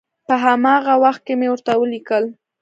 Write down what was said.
په هماغه وخت کې مې ورته ولیکل.